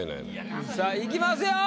さあいきますよ。